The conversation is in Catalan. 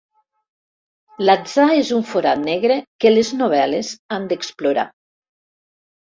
L'atzar és un forat negre que les novel·les han d'explorar.